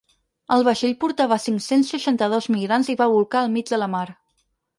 El vaixell portava a cinc-cents seixanta-dos migrants i va bolcar al mig de la mar.